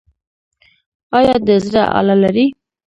ایا د زړه آله لرئ؟